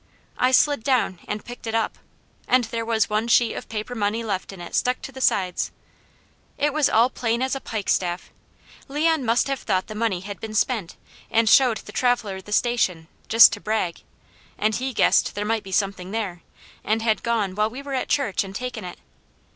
I slid down and picked it up, and there was one sheet of paper money left in it stuck to the sides. It was all plain as a pikestaff. Leon must have thought the money had been spent, and showed the traveller the Station, just to brag, and he guessed there might be something there, and had gone while we were at church and taken it.